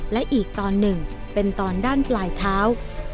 และอีกตอนหนึ่งเป็นตอนด้านปลายเท้า